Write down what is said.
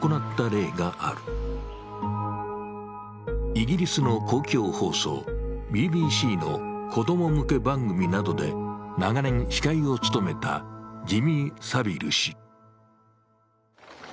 イギリスの公共放送ＢＢＣの子供向け番組などで長年司会を務めたジミー・サヴィル氏。